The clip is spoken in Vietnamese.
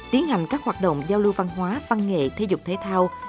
tiến hành các hoạt động giao lưu văn hóa văn nghệ thể dục thể thao